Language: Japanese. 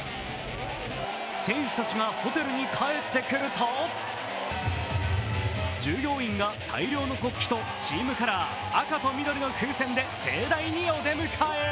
選手たちがホテルに帰ってくると従業員が大量の国旗とチームカラー、赤と緑の風船で盛大にお出迎え。